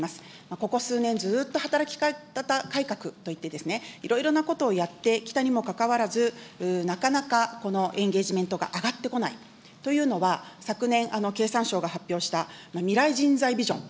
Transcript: ここ数年、ずっと働き方改革といって、いろいろなことをやってきたにもかかわらず、なかなかこのエンゲージメントが上がってこないというのは、昨年、経産省が発表した未来人材ビジョン。